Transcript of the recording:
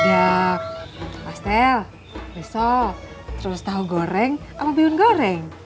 addak pastel riso terus tahu goreng aku biung goreng